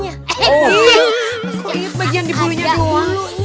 iya kok inget bagian di bulunya doang